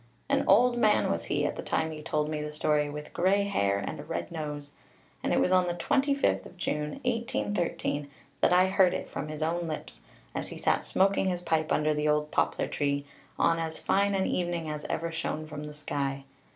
An old man was he, at the time he told me the story, with grey hair and a red nose; and it was on the 25th of June 1813 that I heard it from his own lips, as he sat smoking his pipe under the old poplar tree, on as fine an evening as ever shone from the sky.